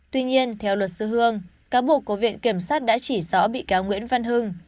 tuy nhiên theo luật sư hương cáo buộc của viện kiểm sát đã chỉ rõ bị cáo nguyễn văn hưng